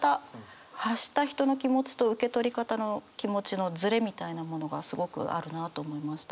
発した人の気持ちと受け取り方の気持ちのズレみたいなものがすごくあるなと思いました。